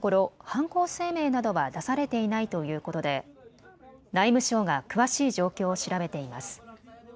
犯行声明などは出されていないということで内務省が詳しい状況を調べています。